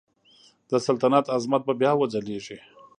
د سلطنت عظمت به بیا وځلیږي.